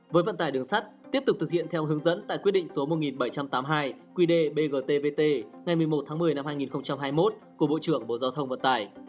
với vận tải đường sắt tiếp tục thực hiện theo hướng dẫn tại quyết định số một nghìn bảy trăm tám mươi hai qd bgtvt ngày một mươi một tháng một mươi năm hai nghìn hai mươi một của bộ trưởng bộ giao thông vận tải